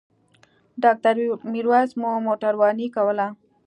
ډاکټر میرویس مو موټرواني کوله.